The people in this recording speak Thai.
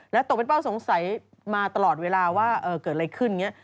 แล้วตกเป็นเป้าสงสัยมาตลอดเวลาว่าเกิดอะไรขึ้นอย่างนี้